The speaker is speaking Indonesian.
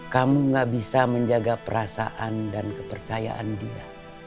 kamu gak bisa menjaga perasaan dan kepercayaan dia